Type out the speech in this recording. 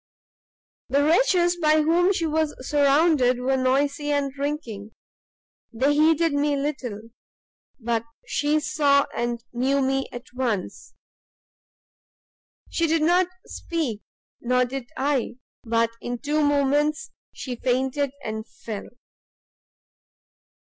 "The wretches by whom she was surrounded were noisy and drinking, they heeded me little, but she saw and knew me at once! She did not speak, nor did I, but in two moments she fainted and fell.